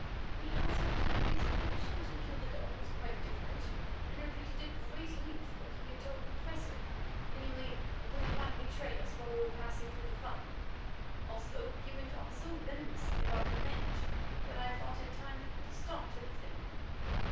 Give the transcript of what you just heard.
He answered that his reason for wishing to kill the dog was quite different, and repeated at great length what he had told the Professor—namely, that it might betray us while we were passing through the Fung. Also he went on so venomously about revenge that I thought it time to put a stop to the thing.